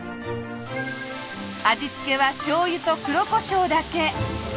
味付けはしょうゆと黒胡椒だけ。